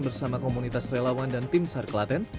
bersama komunitas relawan dan tim sar kelaten